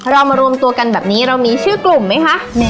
เรามารวมตัวกันแบบนี้เรามีชื่อกลุ่มไหมคะ